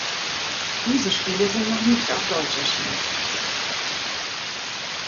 Diese Spiele sind noch nicht auf Deutsch erschienen.